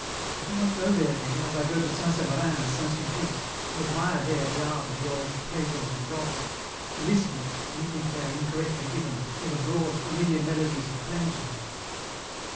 I do not go there then as I go to St. Severin and St. Sulpice, to admire there the art of the old ' Praisers of God,' to listen, even if they are incorrectly given, to the broad, familiar melodies of plain chant.